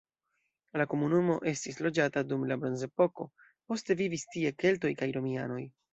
La komunumo estis loĝata dum la bronzepoko, poste vivis tie keltoj kaj romianoj.